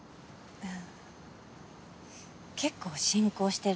うん。